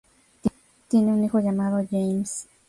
Tienen un hijo llamado James.